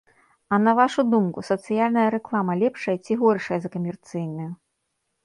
А на вашу думку, сацыяльная рэклама лепшая ці горшая за камерцыйную?